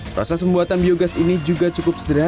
proses pembuatan biogas ini juga cukup sederhana